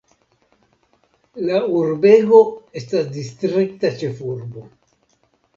La urbego estas distrikta ĉefurbo.